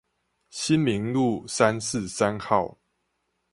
新明路三四三號